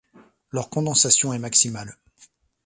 Leur condensation est maximale.